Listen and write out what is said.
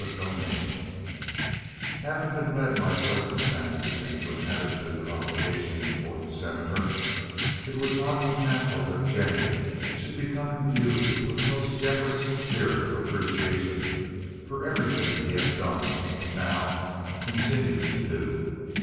CHAPTER V Having been led by circumstances into an attitude of obligation toward the Senator, it was not unnatural that Jennie should become imbued with a most generous spirit of appreciation for everything he had done and now continued to do.